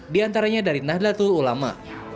di antaranya dari nahdlatul ulama